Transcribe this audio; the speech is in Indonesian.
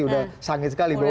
sudah sangit sekali baunya